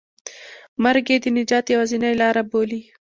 مرګ یې د نجات یوازینۍ لاره بولي.